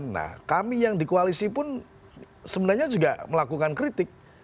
nah kami yang di koalisi pun sebenarnya juga melakukan kritik